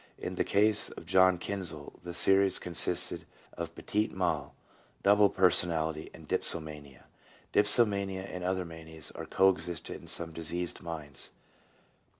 In the case of John Kinsel the series consisted of petite mal, double personality, and dipsomania. Dipsomania and other manias are co existent in some diseased minds.